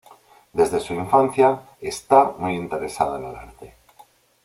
Desde su infancia, está muy interesada en el arte.